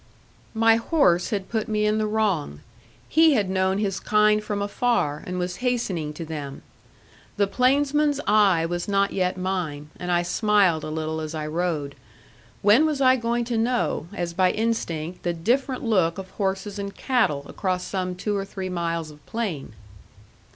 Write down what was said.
My horse had put me in the wrong. He had known his kind from afar, and was hastening to them. The plainsman's eye was not yet mine; and I smiled a little as I rode. When was I going to know, as by instinct, the different look of horses and cattle across some two or three miles of plain?